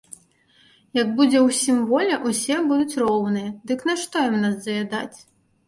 Як будзе ўсім воля, усе будуць роўныя, дык нашто ім нас заядаць?